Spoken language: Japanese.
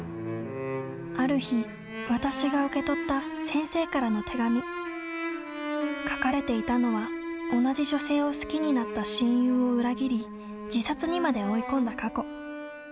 ある日、「わたし」が受け取った「先生」からの手紙。書かれていたのは、同じ女性を好きになった親友を裏切り自殺にまで追い込んだ過去。